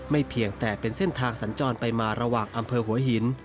เพียงแต่เป็นเส้นทางสัญจรไปมาระหว่างอำเภอหัวหิน